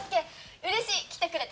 うれしい！来てくれて。